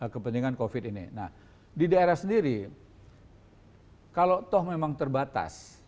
kepentingan covid ini nah di daerah sendiri kalau toh memang terbatas